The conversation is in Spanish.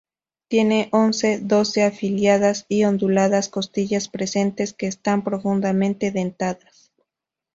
Tiene once-doce afiladas y onduladas costillas presentes, que están profundamente dentadas.